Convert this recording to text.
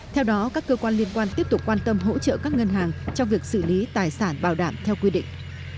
theo đó các cơ quan liên quan tiếp tục quan tâm hỗ trợ các ngân hàng trong việc xử lý tài sản bảo đảm theo quy định